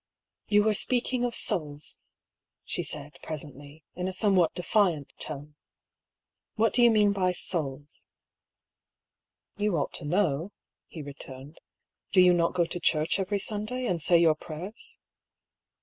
" You were speaking of souls," she said, presently, in a somewhat defiant tone. " What do you mean by souls ?"" You ought to know," he returned. " Do you not go to church every Sunday, and say your prayers?"